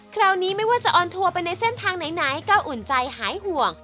คราวนี้ไม่ว่าจะออนทัวร์ไปในเส้นทางไหนก็อุ่นใจหายห่วง